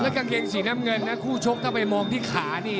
กางเกงสีน้ำเงินนะคู่ชกถ้าไปมองที่ขานี่